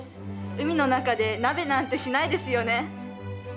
海の中で鍋なんてしないですよね。